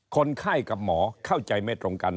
คนไข้กับหมอเข้าใจไม่ตรงกัน